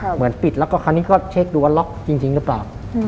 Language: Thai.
เหมือนปิดแล้วก็คราวนี้ก็เช็คดูว่าล็อกจริงหรือเปล่า